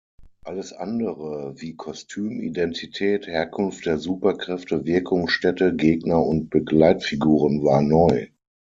Alles andere wie Kostüm, Identität, Herkunft der Superkräfte, Wirkungsstätte, Gegner und Begleitfiguren war neu.